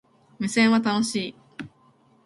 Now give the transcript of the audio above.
無線は、楽しい